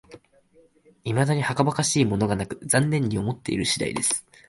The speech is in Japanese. いまだにはかばかしいものがなく、残念に思っている次第です